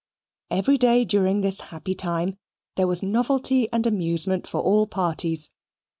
Every day during this happy time there was novelty and amusement for all parties.